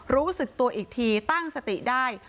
รู้สึกตัวอีกทีตั้งสติได้